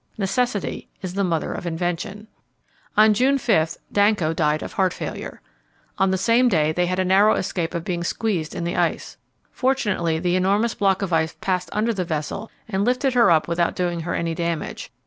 Necessity is the mother of invention. On June 5 Danco died of heart failure. On the same day they had a narrow escape of being squeezed in the ice. Fortunately the enormous block of ice passed under the vessel and lifted her up without doing her any damage.